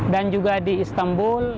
dan juga di istanbul